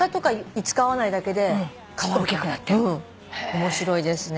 面白いですね。